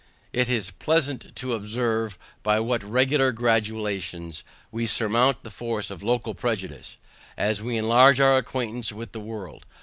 It is pleasant to observe by what regular gradations we surmount the force of local prejudice, as we enlarge our acquaintance with the world.